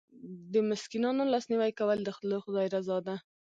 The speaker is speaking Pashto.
د مسکینانو لاسنیوی کول د لوی خدای رضا ده.